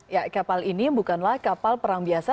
ya kapal ini bukanlah kapal perang biasa